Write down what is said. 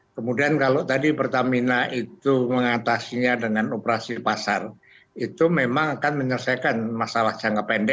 kemudian kalau tadi pertamina itu mengatasinya dengan operasi pasar itu memang akan menyelesaikan masalah jangka pendek